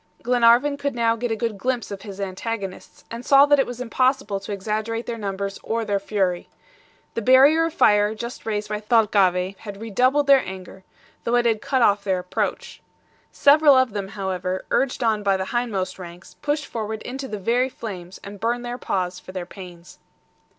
Glenarvan could now get a good glimpse of his antagonists, and saw that it was impossible to exaggerate their numbers or their fury. The barrier of fire just raised by Thalcave had redoubled their anger, though it had cut off their approach. Several of them, however, urged on by the hindmost ranks, pushed forward into the very flames, and burned their paws for their pains.